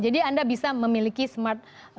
jadi anda bisa memiliki smart